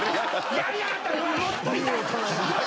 やりやがったな！